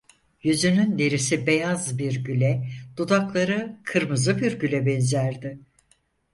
Yüzünün derisi beyaz bir güle, dudakları kırmızı bir güle benzerdi.